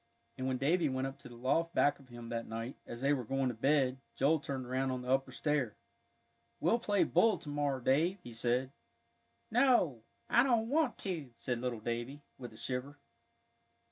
And when Davie went up to the loft back of him that night, as they were going to bed, Joel turned around on the upper stair. "We'll play bull to morrow, Dave," he said. "No, I don't want to," said little Davie, with a shiver.